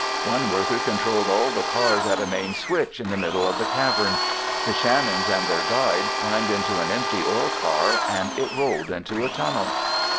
One worker controlled all the cars at a main switch in the middle of the cavern. The Shannons and their guide climbed into an empty ore car and it rolled into a tunnel.